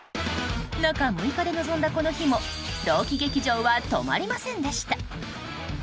中６日で臨んだこの日も朗希劇場は止まりませんでした。